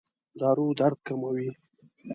دارو درد کموي؟